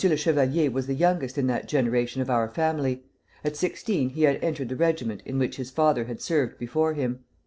le Chevalier was the youngest in that generation of our family. At sixteen he had entered the regiment in which his father had served before him.